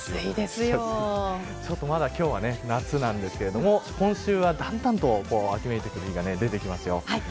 まだ今日は夏なんですけど今週はだんだんと秋めいていく日が出てきます。